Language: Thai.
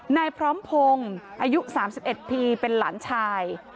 นายพร้อมพงศ์อายุ๓๑ปีเป็นหลานชาย